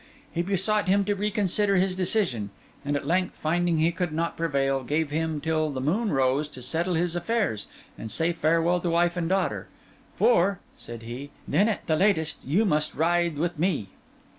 He besought him to reconsider his decision; and at length, finding he could not prevail, gave him till the moon rose to settle his affairs, and say farewell to wife and daughter. 'For,' said he, 'then, at the latest, you must ride with me.